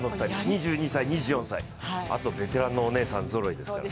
２２歳、２４歳、あとベテランのお姉さんぞろいですから。